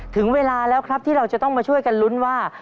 ถึงเวลาแล้วครับที่เราจะต้องมาช่วยกันลุ้นว่า